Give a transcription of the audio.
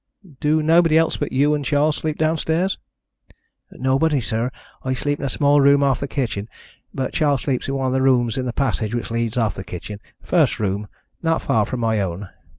"Do nobody else but you and Charles sleep downstairs?" "Nobody, sir. I sleep in a small room off the kitchen, but Charles sleeps in one of the rooms in the passage which leads off the kitchen, the first room, not far from my own.